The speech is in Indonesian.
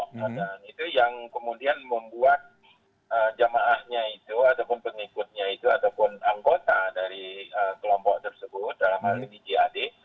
dan itu yang kemudian membuat jamaahnya itu ataupun pengikutnya itu ataupun anggota dari kelompok tersebut dalam hal ini jad